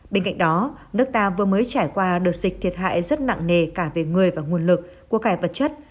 bên cạnh đó nước ta vừa mới trải qua đợt dịch thiệt hại rất nặng nề cả về người và nguồn lực của cải vật chất